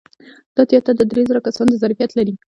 دا تیاتر د درې زره کسانو د ظرفیت لري.